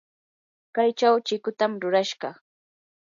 kaychaw chikutam rurashaq.